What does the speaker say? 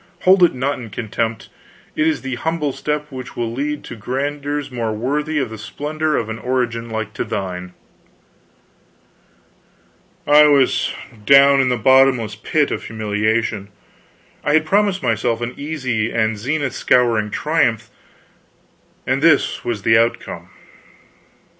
Hold it not in contempt; it is the humble step which will lead to grandeurs more worthy of the splendor of an origin like to thine." I was down in the bottomless pit of humiliation. I had promised myself an easy and zenith scouring triumph, and this was the outcome!